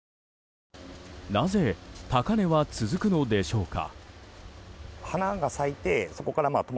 なぜ、高値は続くのでしょうか。